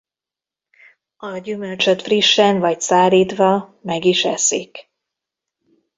A gyümölcsöt frissen vagy szárítva meg is eszik.